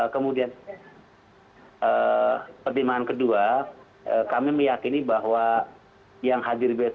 kemudian pertimbangan kedua kami meyakini bahwa yang hadir besok